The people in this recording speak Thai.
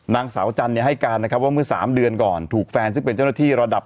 นางสาวจันทร์ให้การนะครับว่าเมื่อ๓เดือนก่อนถูกแฟนซึ่งเป็นเจ้าหน้าที่ระดับ